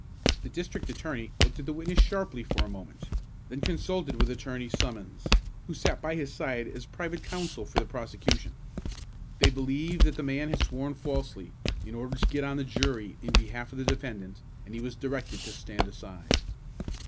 The district attorney looked at the witness sharply for a moment, then consulted with Attorney Summons, who sat by his side as private counsel for the prosecution. They believed that the man had sworn falsely, in order to get on the jury in behalf of the defendant, and he was directed to stand aside.